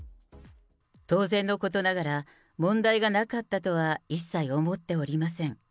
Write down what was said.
当然のことながら、問題がなかったとは一切思っておりません。